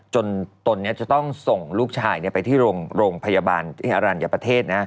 ตนจะต้องส่งลูกชายไปที่โรงพยาบาลอรัญญประเทศ